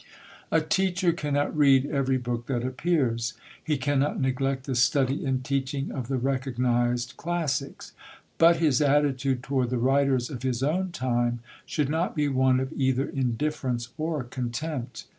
A teacher cannot read every book that appears; he cannot neglect the study and teaching of the recognised classics; but his attitude toward the writers of his own time should not be one of either indifference or contempt.